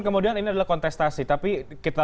kemudian ini adalah kontestasi tapi kita